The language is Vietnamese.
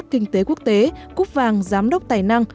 kinh tế quốc tế cúc vàng giám đốc tài năng